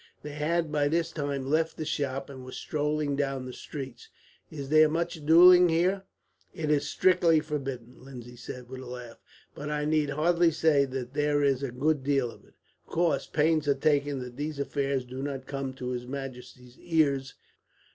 They had by this time left the shop, and were strolling down the streets. "Is there much duelling here?" "It is strictly forbidden," Lindsay said, with a laugh; "but I need hardly say that there is a good deal of it. Of course, pains are taken that these affairs do not come to his majesty's ears.